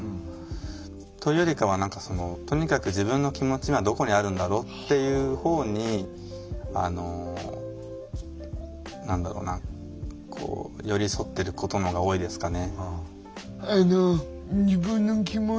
というよりかはとにかく自分の気持ち今どこにあるんだろうっていうほうにあの何だろうな寄り添ってることのほうが多いですかね。